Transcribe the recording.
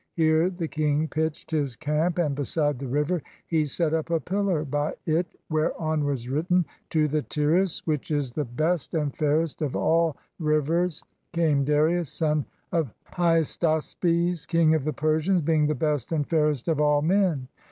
Here the king pitched his camp, and beside the river he set up a pillar by it, whereon was written, " To the Tearus, which is the best 335 PERSIA and fairest of all rivers, came Darius, son of Hystaspes, King of the Persians, being the best and fairest of all men."